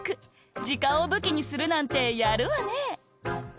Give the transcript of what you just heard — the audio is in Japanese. じかんをぶきにするなんてやるわね！